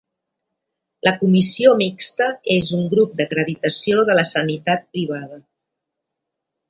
La Comissió mixta és un grup d'acreditació de la sanitat privada.